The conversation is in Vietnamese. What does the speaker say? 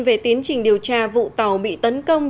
về tiến trình điều tra vụ tàu bị tấn công